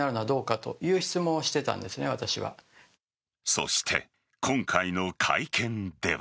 そして、今回の会見では。